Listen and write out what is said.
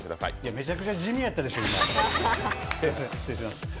めちゃくちゃ地味やったでしょ、今。